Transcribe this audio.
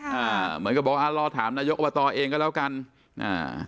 เหมือนกับบอกอ่ารอถามนายกอบตเองก็แล้วกันอ่า